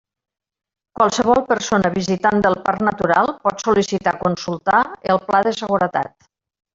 Qualsevol persona visitant del Parc natural pot sol·licitar consultar el pla de seguretat.